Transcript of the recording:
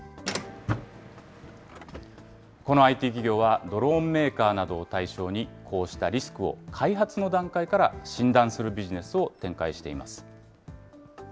このＩＴ企業は、ドローンメーカーなどを対象に、こうしたリスクを開発の段階から診断するビジネスを展開しています。